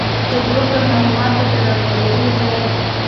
فېسبوک د معلوماتو د راټولولو ځای دی